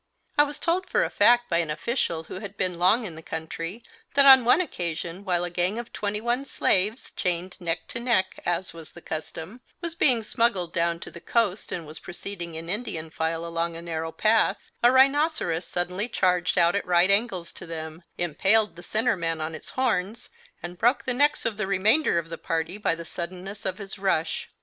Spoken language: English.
I was told for a fact by an official who had been long in the country that on one occasion while a gang of twenty one slaves, chained neck to neck as was the custom, was being smuggled down to the coast and was proceeding in Indian file along a narrow path, a rhinoceros suddenly charged out at right angles to them, impaled the centre man on its horns and broke the necks of the remainder of the party by the suddenness of his rush.